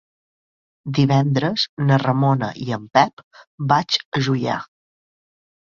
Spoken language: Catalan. Divendres na Ramona i en Pep vaig a Juià.